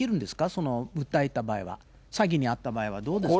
その訴えた場合は、詐欺に遭った場合はどうですかね。